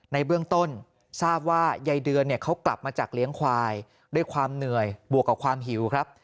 ในเบื้องต้นทราบว่ายายเดือนเนี่ยเขากลับมาจากเลี้ยงควายด้วยความเหนื่อยบวกกับความหิวครับ